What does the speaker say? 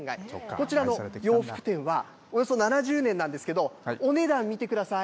こちらの洋服店はおよそ７０年なんですけど、お値段見てください。